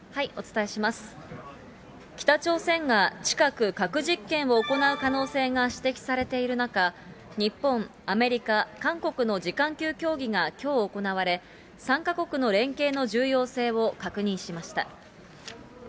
北朝鮮が近く、核実験を行う可能性が指摘されている中、日本、アメリカ、韓国の次官級協議がきょう行われ、３か国の連携の重要性を確認しました。